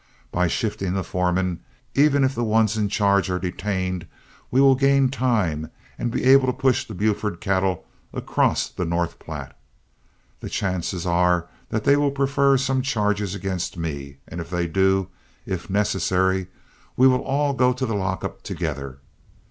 By shifting the foremen, even if the ones in charge are detained, we will gain time and be able to push the Buford cattle across the North Platte. The chances are that they will prefer some charges against me, and if they do, if necessary, we will all go to the lock up together.